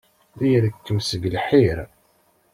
La irekkem seg lḥir.